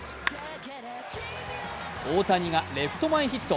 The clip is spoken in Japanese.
大谷がレフト前ヒット。